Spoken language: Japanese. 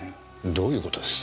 どういう事です？